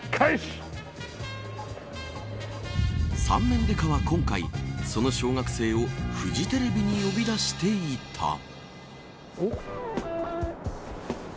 三面刑事は今回その小学生をフジテレビに呼び出していた。